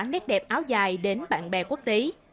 nét đẹp áo dài đến bạn bè quốc tế